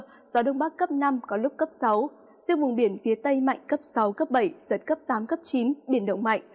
gió đông bắc cấp năm có lúc cấp sáu riêng vùng biển phía tây mạnh cấp sáu cấp bảy giật cấp tám cấp chín biển động mạnh